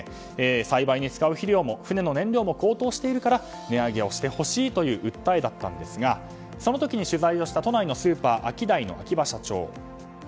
栽培に使う肥料も船の燃料も高騰してるから値上げをしてほしいという訴えだったんですがその時に取材した都内のスーパーアキダイの秋葉社長。